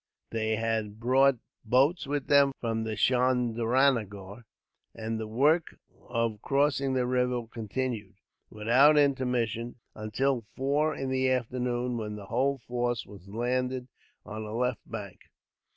They had brought boats with them from Chandranagore, and the work of crossing the river continued, without intermission, until four in the afternoon, when the whole force was landed on the left bank.